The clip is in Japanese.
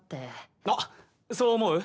あそう思う？